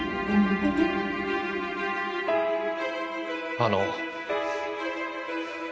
あの。